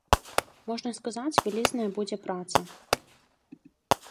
Можна сказаць, вялізная будзе праца.